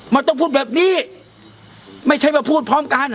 มันต้องพูดแบบนี้ไม่ใช่มาพูดพร้อมกัน